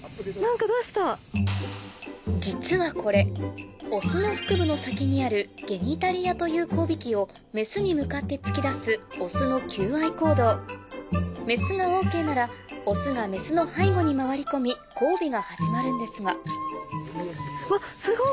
実はこれオスの腹部の先にあるゲニタリアという交尾器をメスに向かって突き出すオスの求愛行動メスがＯＫならオスがメスの背後に回り込み交尾が始まるんですがうわすごい！